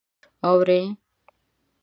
_اورې؟